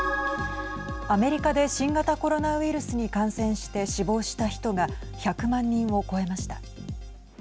アメリカで新型コロナウイルスに感染して死亡した人が１００万人を超えました。